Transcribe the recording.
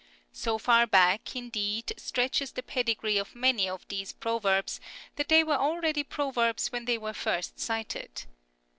So far back, indeed, stretches the pedigree of many of these proverbs that they were already proverbs when they were first cited.